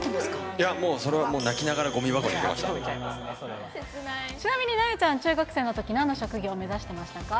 いや、もうそれは泣きながらちなみになえちゃん、中学生のとき、何の職業を目指してましたか。